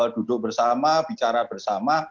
duduk bersama bicara bersama